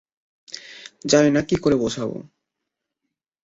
জানি না কীকরে বোঝাবো।